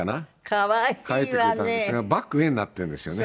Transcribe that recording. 書いてくれたんですが「ばくへ」になってるんですよね。